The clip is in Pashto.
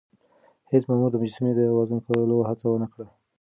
هیڅ مامور د مجسمې د وزن کولو هڅه ونه کړه.